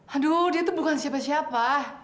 aduh dia itu bukan siapa siapa